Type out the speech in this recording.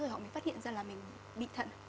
thì họ mới phát hiện ra là mình bị thận